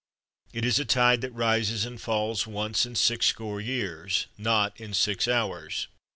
It is a tide that rises and falls once in sixscore years, not in six hours.